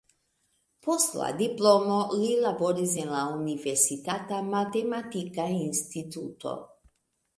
Post la diplomo li laboris en la universitata matematika instituto.